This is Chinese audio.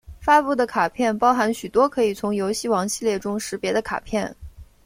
发布的卡片包含许多可以从游戏王系列中识别的卡片！